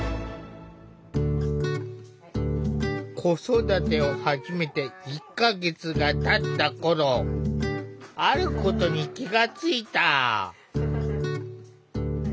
子育てを始めて１か月がたった頃あることに気が付いた。